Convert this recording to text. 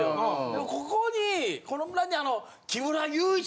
でもここにこの村にあの。